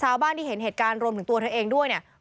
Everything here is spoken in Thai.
ชาวบ้านที่เห็นเหตุการณ์รวมถึงตัวเธอเองด้วยเนี่ย